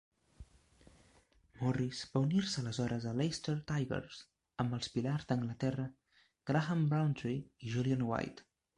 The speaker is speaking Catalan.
Morris va unir-se aleshores al Leicester Tigers amb els pilars d'Anglaterra Graham Rowntree i Julian White.